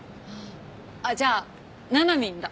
あっじゃあななみんだ。